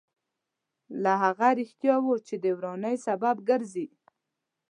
له هغه رښتیاوو چې د ورانۍ سبب ګرځي.